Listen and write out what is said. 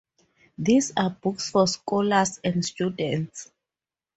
These are books for scholars and students.